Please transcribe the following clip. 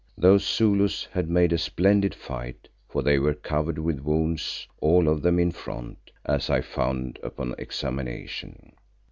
Those Zulus had made a splendid fight for they were covered with wounds, all of them in front, as I found upon examination.